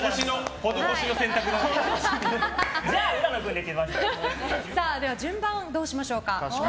投げる順番どうしましょうか。